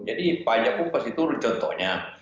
jadi pajak pun pasti turun contohnya